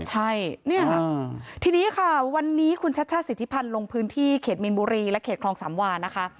ใช่เนี่ยทีนี้ค่ะวันนี้คุณชัชชาติสิทธิพันธ์ลงพื้นที่เขตมีนบุรีและเขตคลองสามวานะคะ